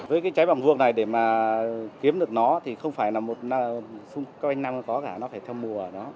với cái trái bàn vuông này để mà kiếm được nó thì không phải là một năm có cả nó phải theo mùa